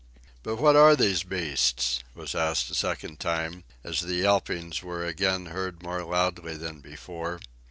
"But what are these beasts?" was asked a second time, as the yelpings were again heard more loudly than before.